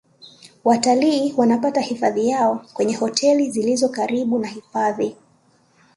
watalii wanapata hifadhi yao kwenye hoteli zilizo karibu na hifadhi